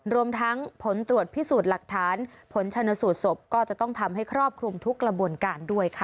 รวมทั้งผลตรวจพิสูจน์หลักฐานผลชนสูตรศพก็จะต้องทำให้ครอบคลุมทุกกระบวนการด้วยค่ะ